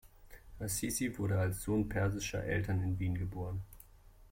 Asisi wurde als Sohn persischer Eltern in Wien geboren.